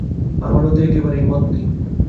আমার ওতে একেবারেই মত নেই।